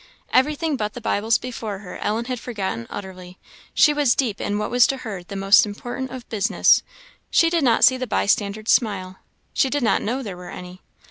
Everything but the Bibles before her Ellen had forgotten utterly; she was deep in what was to her the most important of business; she did not see the bystanders smile she did not know there were any.